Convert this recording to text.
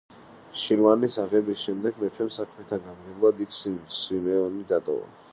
შირვანის აღების შემდეგ მეფემ საქმეთა გამგებლად იქ სვიმეონი დატოვა.